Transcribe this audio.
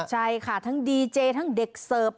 ใช่ค่ะทั้งดีเจทั้งเด็กเสิร์ฟ